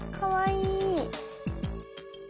かわいい。